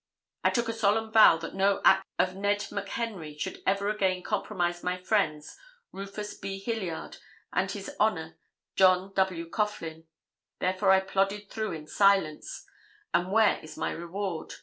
I took a solemn vow that no act of Ned McHenry should ever again compromise my friends Rufus B. Hilliard and His Honor John W. Coughlin. Therefore I plodded through in silence, and where is my reward?